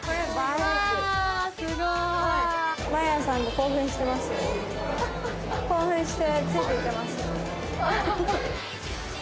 興奮してついて行ってます。